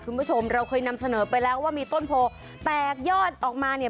คุณผู้ชมเราเคยนำเสนอไปแล้วว่ามีต้นโพแตกยอดออกมาเนี่ย